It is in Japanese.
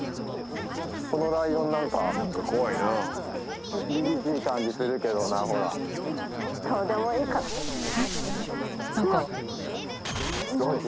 このライオン何か何か不気味りりしい感じするけどなほらどうでもいいかなうわっ！